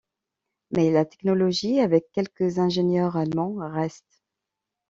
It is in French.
Mais la technologie, avec quelques ingénieurs allemands, reste.